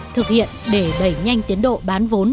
thực hiện để đẩy nhanh tiến độ bán vốn